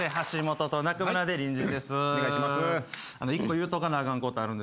１個言うとかなあかんことある。